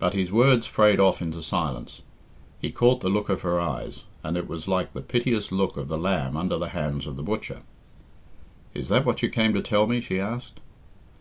But his words frayed off into silence. He caught the look of her eyes, and it was like the piteous look of the lamb under the hands of the butcher. "Is that what you came to tell me?" she asked.